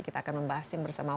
kita akan membahas bersama wanda